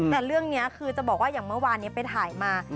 แต่เรื่องนี้คือจะบอกว่าอย่างเมื่อวานนี้ไปถ่ายมา